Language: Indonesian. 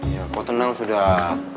ya kok tenang sudah